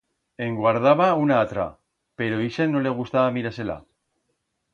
En guardaba una atra, pero ixa no le gustaba mirar-se-la.